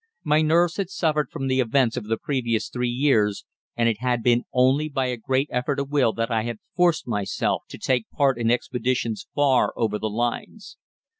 My nerves had suffered from the events of the previous three years, and it had been only by a great effort of will that I had forced myself to take part in expeditions far over the lines.